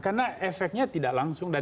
karena efeknya tidak langsung